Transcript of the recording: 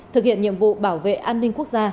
thực hiện nhiệm vụ bảo vệ an ninh quốc gia